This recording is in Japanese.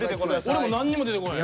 俺も何にも出てこぅへん。